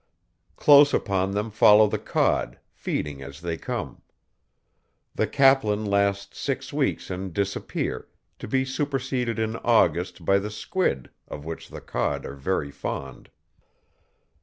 Close upon them follow the cod, feeding as they come. The caplin last six weeks and disappear, to be superseded in August by the squid, of which the cod are very fond.